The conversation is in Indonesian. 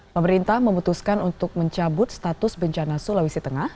pemerintah memutuskan untuk mencabut status bencana sulawesi tengah